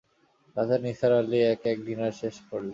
রাতে নিসার আলি এক-এক ডিনার শেষ করলেন।